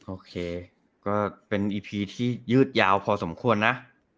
โอเคก็เป็นอีพีที่ยืดยาวพอสมควรนะ